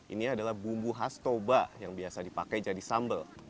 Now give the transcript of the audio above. ini adalah bumbu khas toba yang biasa dipakai jadi sambal